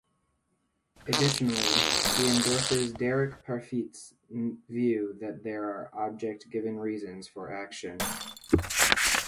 Additionally, he endorses Derek Parfit's view that there are object-given reasons for action.